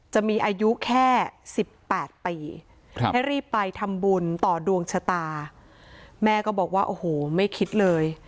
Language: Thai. จะมีอายุแค่๑๘ปีให้รีบไปทำบุญต่อดวงชะตาแม่ก็บอกว่าโอ้โหไม่คิดเลย